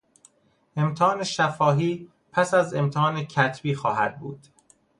امتحان شفاهی پس از امتحان کتبی خواهد بود.